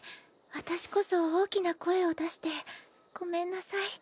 私こそ大きな声を出してごめんなさい。